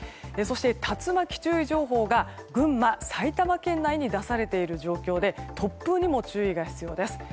竜巻注意情報が群馬、埼玉県内に出されている状況で突風にも注意が必要です。